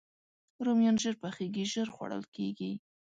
رومیان ژر پخېږي، ژر خوړل کېږي